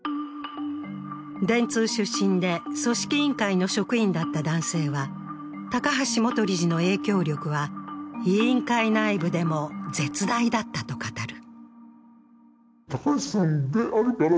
電通出身で組織委員会の職員だった男性は、高橋元理事の影響力は委員会内部でも絶大だったと語る。